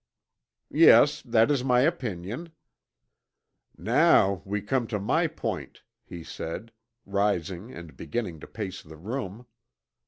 "Yes, that is my opinion." "Now we come to my point," he said, rising and beginning to pace the room.